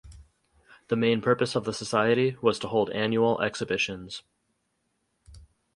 The main purpose of the society was to hold annual exhibitions.